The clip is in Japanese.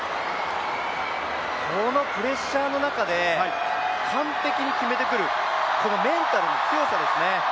このプレッシャーの中で完璧に決めてくる、このメンタルの強さですね。